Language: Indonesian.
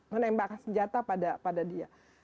menembak senjata pada dia